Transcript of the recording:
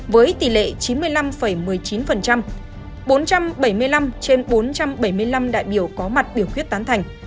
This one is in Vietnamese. với tỷ lệ chín mươi năm một mươi chín bốn trăm bảy mươi năm trên bốn trăm bảy mươi năm đại biểu có mặt biểu quyết tán thành